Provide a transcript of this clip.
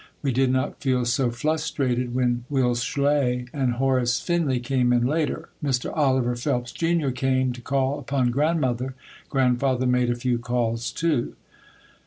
We did not feel so flustrated when Will Schley and Horace Finley came in later. Mr. Oliver Phelps, Jr., came to call upon Grandmother. Grandfather made a few calls, too.